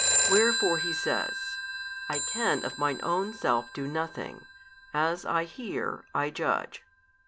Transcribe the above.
Wherefore He says, I can of Mine own self do nothing; as I hear, I judge.